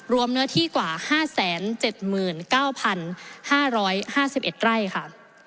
เนื้อที่กว่า๕๗๙๕๕๑ไร่ค่ะ